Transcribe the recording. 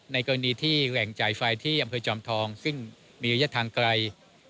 ในกรณีที่แหว่งจ่ายไฟที่อำเภอจอมทองซึ่งมีระยะทางไกล